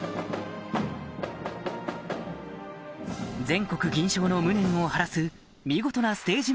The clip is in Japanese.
全国銀賞の無念を晴らす見事なステージ